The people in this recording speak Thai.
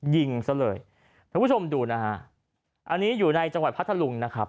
ยิงซะเลยท่านผู้ชมดูนะฮะอันนี้อยู่ในจังหวัดพัทธลุงนะครับ